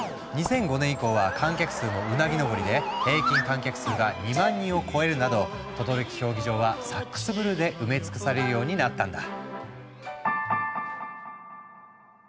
２００５年以降は観客数もうなぎ上りで平均観客数が２万人を超えるなど等々力競技場はサックスブルーで埋め尽くされるようになったんだ。